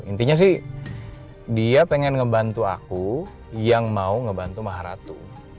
intinya sih dia pengen ngebantu aku yang mau ngebantu maharatu